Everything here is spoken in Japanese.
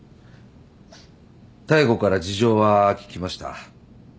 妙子から事情は聞きました。